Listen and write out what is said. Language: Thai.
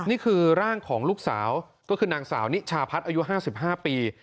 นี่คือร่างของลูกสาวก็คือนางสาวนิชาพัฒน์อายุ๕๕ปี